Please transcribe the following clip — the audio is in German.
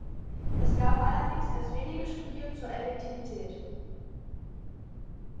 Es gab allerdings erst wenige Studien zur Effektivität.